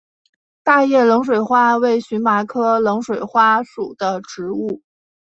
大叶冷水花为荨麻科冷水花属的植物。